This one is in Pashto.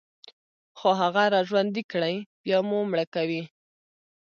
خو هغه راژوندي كړئ، بيا مو مړه کوي